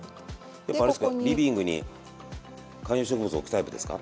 やっぱあれですかリビングに観葉植物置くタイプですか？